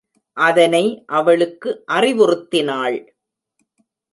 அதனை அவளுக்கு அறிவுறுத்தினாள்.